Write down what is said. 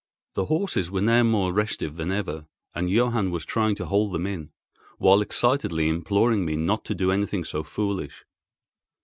The horses were now more restive than ever, and Johann was trying to hold them in, while excitedly imploring me not to do anything so foolish.